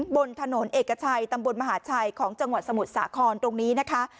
บนถนนเอกชัยตำบลมหาชัยของจังหวัดสมุทรสาครตรงนี้นะคะ